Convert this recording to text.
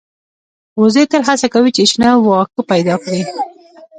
وزې تل هڅه کوي چې شنه واښه پیدا کړي